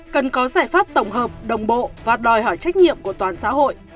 cần có giải pháp tổng hợp đồng bộ và đòi hỏi trách nhiệm của toàn xã hội